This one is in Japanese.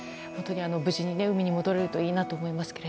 無事に海に戻れるといいなと思いますが。